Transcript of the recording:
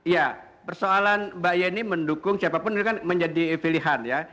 ya persoalan mbak yeni mendukung siapapun itu kan menjadi pilihan ya